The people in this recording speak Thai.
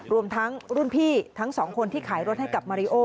รวมทั้งรุ่นพี่ทั้งสองคนที่ขายรถให้กับมาริโอ